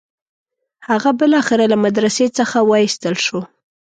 هغه بالاخره له مدرسې څخه وایستل شو.